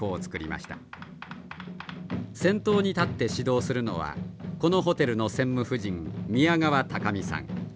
先頭に立って指導するのはこのホテルの専務夫人宮川高美さん。